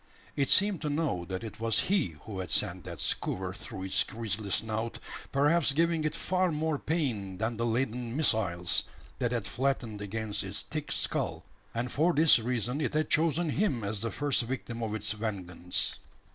It seemed to know that it was he who had sent that skewer through its gristly snout perhaps giving it far more pain than the leaden missiles that had flattened against its thick skull; and for this reason it had chosen him as the first victim of its vengeance.